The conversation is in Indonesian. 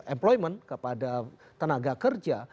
employment kepada tenaga kerja